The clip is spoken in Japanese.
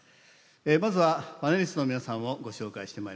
まずはパネリストの皆さんをご紹介してまいりましょう。